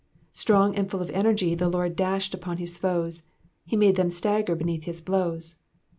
Strong and full of energy the Lord dashed upon his foes, and made them stagger beneath his blows.